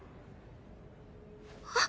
あっ。